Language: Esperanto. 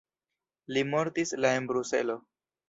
Li mortis la en Bruselo.